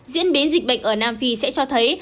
diễn biến dịch bệnh ở nam phi sẽ cho thấy